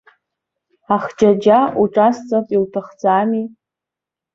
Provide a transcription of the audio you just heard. Ахџьаџьа уҿасҵап, иуҭахӡами?